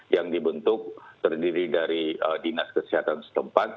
yang dibentuk terdiri dari dinas kesehatan setempat